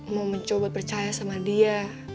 mau mencoba percaya sama dia